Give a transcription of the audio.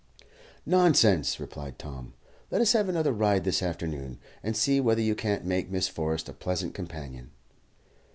"Nonsense," replied Tom. "Let us have another ride this afternoon, and see whether you can't make Miss Forrest a pleasant companion."